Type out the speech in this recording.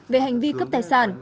về hành vi cướp tài sản